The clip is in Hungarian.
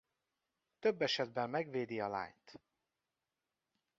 Több esetben megvédi a lányt.